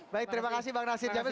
baik terima kasih bang nasir jambi